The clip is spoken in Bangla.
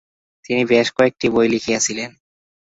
তিনি বেশ কয়েকটি বই লিখেছিলেন।